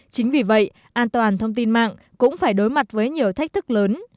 chính vì vậy an toàn thông tin mạng cũng phải đối mặt với nhiều thách thức lớn